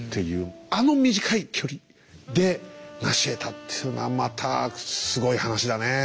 あの短い距離でなしえたっていうのはまたすごい話だねえ。